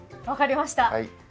分かりました。